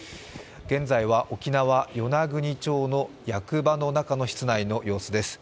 現在は沖縄・与那国町の役場の中の室内の様子です。